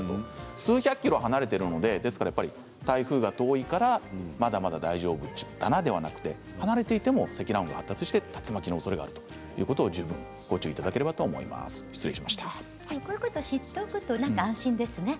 数百ｋｍ離れているので、台風が遠いからまだまだ大丈夫でしょうではなく、離れていても積乱雲が発達して竜巻のおそれがあるということを十分ご注意いただければとこういうことを知っていると安心ですね。